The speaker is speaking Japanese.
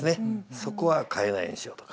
そこは変えないようにしようとか。